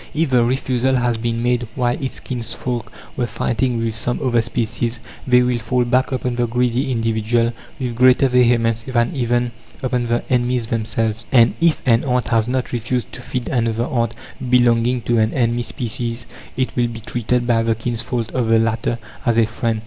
If the refusal has been made while its kinsfolk were fighting with some other species, they will fall back upon the greedy individual with greater vehemence than even upon the enemies themselves. And if an ant has not refused to feed another ant belonging to an enemy species, it will be treated by the kinsfolk of the latter as a friend.